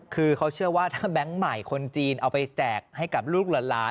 คือเขาเชื่อว่าถ้าแบงค์ใหม่คนจีนเอาไปแจกให้กับลูกหลาน